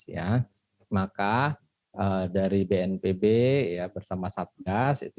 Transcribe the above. semua pihak baik itu tempat pak gatot pak didi semua kita di satgas ingin pon dua puluh ini betul betul bisa dihasilkan